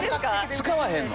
使わへんの？